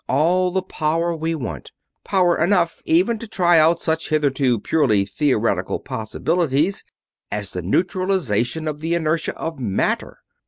All the power we want power enough even to try out such hitherto purely theoretical possibilities as the neutralization of the inertia of matter!"